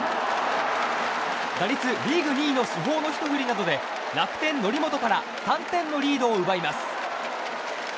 打率リーグ２位の主砲のひと振りなどで楽天、則本から３点のリードを奪います。